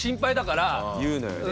言うのよね。